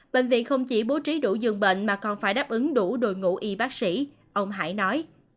bệnh viện không chỉ bố trí đủ dường bệnh mà còn phải đáp ứng đủ đội ngũ y bác sĩ ông hải nói